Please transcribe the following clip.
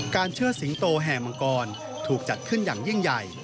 เชิดสิงโตแห่งังกรถูกจัดขึ้นอย่างยิ่งใหญ่